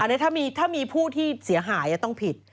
อันนี้ถ้ามีผู้ที่เสียหายต้องผิด